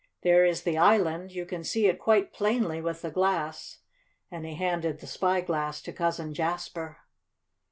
There is the island; you can see it quite plainly with the glass," and he handed the spy glass to Cousin Jasper.